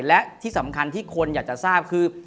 และที่สำคัญที่คนอยากจะทราบคือ